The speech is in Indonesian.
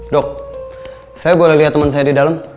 dok saya boleh liat temen saya di dalam